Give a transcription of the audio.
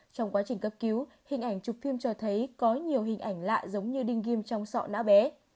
trong quá trình cấp cứu hình ảnh chụp phim cho thấy có nhiều hình ảnh lạ giống như đinh kim trong sọ não bé